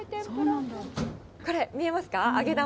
これ、見えますか、揚げ玉。